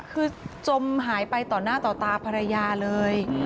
คือจมหายไปต่อหน้าต่อตาภรรยาเลย